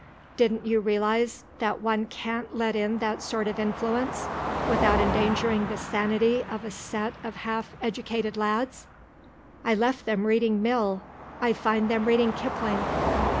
Didn't you realise that one can't let in that sort of influence without endangering the sanity of a set of half educated lads? I left them reading Mill; I find them reading Kipling.